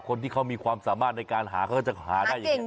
คนที่เขามีความสามารถในการหาเขาก็จะหาได้อย่างนี้